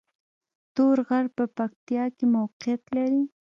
تور غر په پکتیا کې موقعیت لري